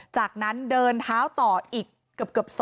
จากนั้นเดินเท้าต่ออีกเกือบ